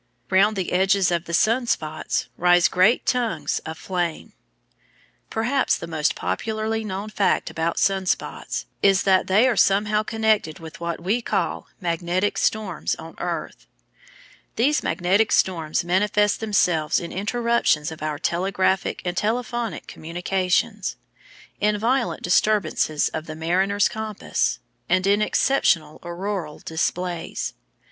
Round the edges of the sun spots rise great tongues of flame. Perhaps the most popularly known fact about sun spots is that they are somehow connected with what we call magnetic storms on earth. These magnetic storms manifest themselves in interruptions of our telegraphic and telephonic communications, in violent disturbances of the mariner's compass, and in exceptional auroral displays.